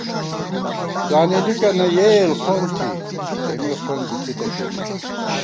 ځوانېلِکَنہ یَہ بېل خون تھی، تېمے خوند بی تھِتہ کېنے